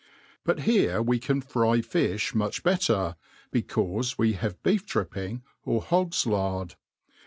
But here we can fry fiih much better, be* caufe we have beef dripping, or hog's lard.